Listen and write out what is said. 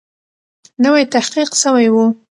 نوی تحقیق سوی وو.